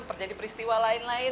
terjadi peristiwa lain lain